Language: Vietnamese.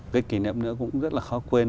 cái kỷ niệm nữa cũng rất là khó quên